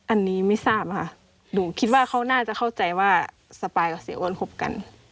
อันนี้ไม่ทราบค่ะหนูคิดว่าเขาน่าจะเข้าใจว่าสปายกับเสียอ้วนคบกัน